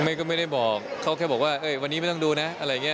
ไม่ก็ไม่ได้บอกเขาก็แค่บอกว่าเอ้ยวันนี้ไม่ต้องดูแล้วอะไรอย่างนี้